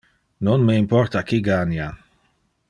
Non me importa qui gania.